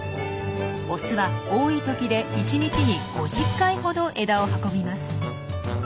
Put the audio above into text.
オスは多い時で１日に５０回ほど枝を運びます。